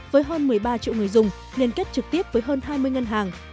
với hơn một mươi ba triệu người dùng liên kết trực tiếp với hơn hai mươi ngân hàng